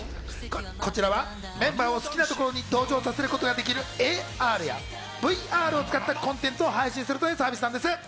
こちらはメンバーを好きなところに登場させることができるＡＲやＶＲを使ったコンテンツを配信するというサービスなんです。